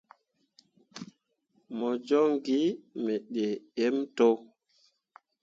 Mo joŋ gi me daaǝǝm to.